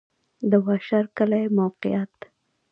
د واشر کلی موقعیت